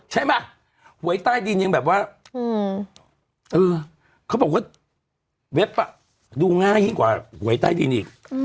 ใช่ไหมหวยใต้ดินยังแบบว่าเขาบอกว่าเว็บดูง่ายยิ่งกว่าหวยใต้ดินอีก